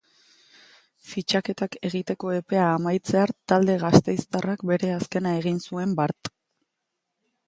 Fitxaketak egiteko epea amaitzear talde gasteiztarrak bere azkena egin zuen bart.